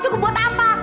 cukup buat apa